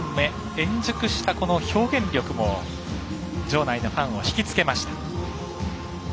円熟した表現力も場内のファンをひきつけました。